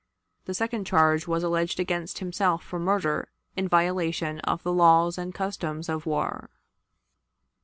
The second charge was alleged against himself for murder in violation of the laws and customs of war.